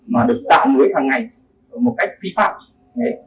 mà được tạo mới hằng ngày một cách phí phạm